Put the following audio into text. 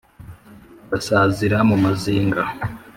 Basazira mu Mazinga.